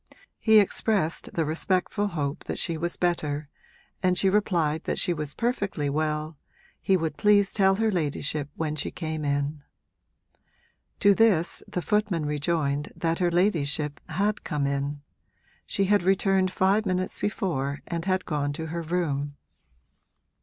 He expressed the respectful hope that she was better and she replied that she was perfectly well he would please tell her ladyship when she came in. To this the footman rejoined that her ladyship had come in she had returned five minutes before and had gone to her room.